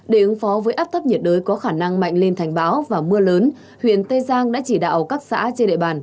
để ứng phó với áp thấp nhiệt đới có khả năng mạnh lên thành bão và mưa lớn huyện tây giang đã chỉ đạo các xã trên địa bàn